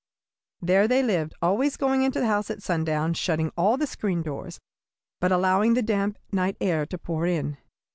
"There they lived, always going into the house at sundown, shutting all the screen doors, but allowing the damp night air to pour in.